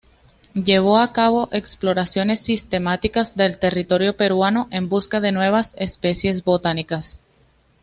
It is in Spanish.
Llevó a cabo exploraciones sistemáticas del territorio peruano en busca de nuevas especies botánicas.